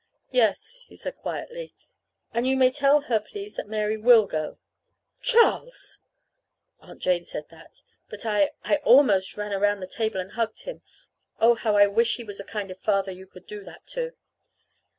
"Yes," he said quietly; "and you may tell her, please, that Mary will go." "Charles!" Aunt Jane said that. But I I almost ran around the table and hugged him. (Oh, how I wish he was the kind of a father you could do that to!)